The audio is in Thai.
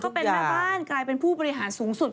เขาเป็นแม่บ้านกลายเป็นผู้บริหารสูงสุด